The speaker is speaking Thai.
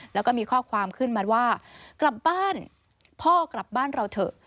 แล้วก็มีข้อความขึ้นมาว่ากลับบ้านพ่อกลับบ้านเราเถอะ